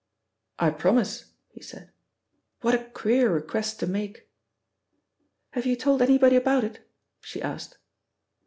"I promise," he said. "What a queer request to make!" "Have you told anybody about it?" she asked.